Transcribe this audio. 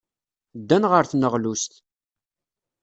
Ddan ɣer tneɣlust.